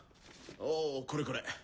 おこれこれ。